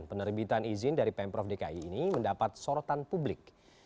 penerbitan izin dari pemprov dki ini mendapat sorotan publik